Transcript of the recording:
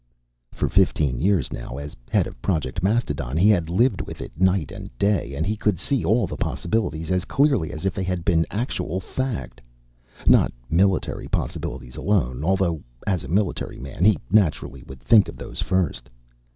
For fifteen years now, as head of Project Mastodon, he had lived with it night and day and he could see all the possibilities as clearly as if they had been actual fact. Not military possibilities alone, although as a military man, he naturally would think of those first.